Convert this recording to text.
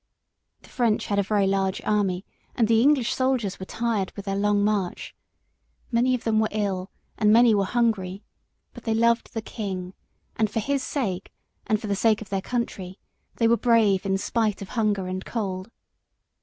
The French had a very large army, and the English soldiers were tired with their long march. Many of them were ill and many were hungry; but they loved the king, and for his sake, and for the sake of their country, they were brave in spite of hunger and cold.